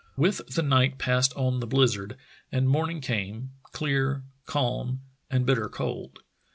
With the night passed on the blizzard, and morning came — clear, calm, and bitter cold.